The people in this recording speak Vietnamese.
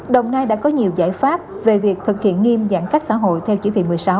đồng nai đã có nhiều giải pháp về việc thực hiện nghiêm giãn cách xã hội theo chỉ thị một mươi sáu